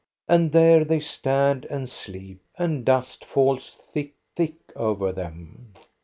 And there they stand and sleep, and dust falls thick, thick over them.